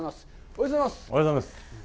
おはようございます。